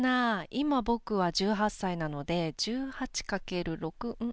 今、僕は１８歳なので１８×６？ん？